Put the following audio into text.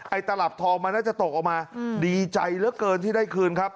ตลับทองมันน่าจะตกออกมาดีใจเหลือเกินที่ได้คืนครับ